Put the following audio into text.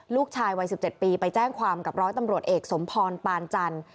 ลูกชายวัย๑๗ปีไปแจ้งความกับร้อยตำรวจเอกสมพรปานจันทร์